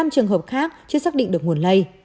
một mươi năm trường hợp khác chưa xác định được nguồn lây